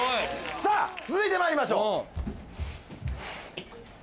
さぁ続いてまいりましょう。